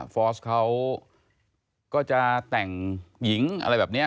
ฟอร์สเขาก็จะแต่งหญิงอะไรแบบนี้